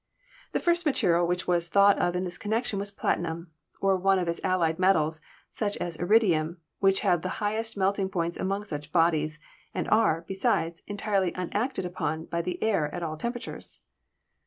The first material which was thought of in this connection was platinum, or one of its allied metals, such as iridium, which have the highest melting points among such bodies, and are, besides, en tirely unacted upon by the air at all temperatures.